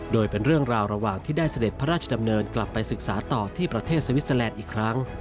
โดยเป็นเรื่องราวระหว่างที่ได้เสด็จพระราชดำเนินกลับไปศึกษาต่อที่ประเทศสวิสเตอร์แลนด์อีกครั้ง